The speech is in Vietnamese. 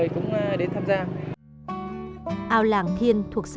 các mẹ rất là thích ra